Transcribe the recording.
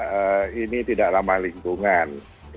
mengatakan bahwa ini tidak ramah lingkungan